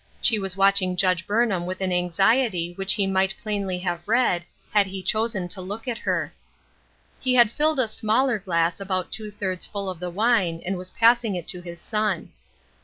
She was watching Judge Burnham with an anxiety which he might plainly have read, had he chosen to look at her. He had filled a smaller glass about two thirds full of the wine, and was passing it to his son.